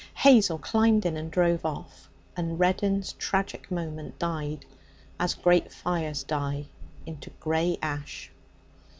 Hazel climbed in and drove off, and Reddin's tragic moment died, as great fires die, into grey ash.